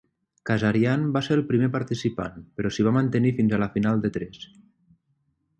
Kazarian va ser el primer participant, però s'hi va mantenir fins a la final de tres.